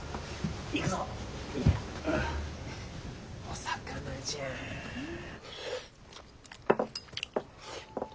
お魚じゃん。